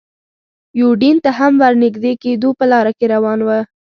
یوډین ته هم ور نږدې کېدو، په لاره کې روان و.